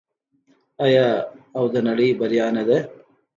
آیا او د نړۍ بریا نه ده؟